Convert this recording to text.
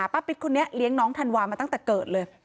ปิ๊กคนนี้เลี้ยงน้องธันวามาตั้งแต่เกิดเลย